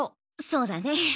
そうだね。